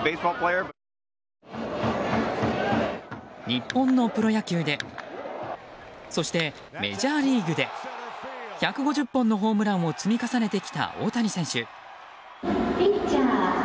日本のプロ野球でそしてメジャーリーグで１５０本のホームランを積み重ねてきた大谷選手。